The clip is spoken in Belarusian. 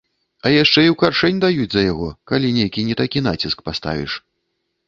А яшчэ і ў каршэнь даюць за яго, калі нейкі не такі націск паставіш.